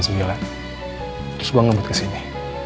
terus gue ngebut kesini